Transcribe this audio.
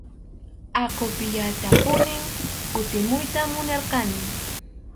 Aqupiyatapunim kutimuyta munarqani.